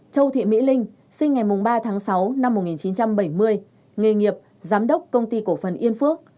châu thị mỹ linh sinh ngày ba tháng sáu năm một nghìn chín trăm bảy mươi nghề nghiệp giám đốc công ty cổ phần yên phước